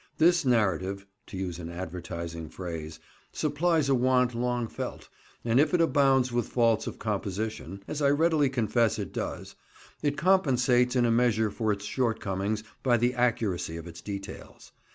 This narrative (to use an advertising phrase) supplies a want long felt, and if it abounds with faults of composition—as I readily confess it does—it compensates in a measure for its shortcomings by the accuracy of its details.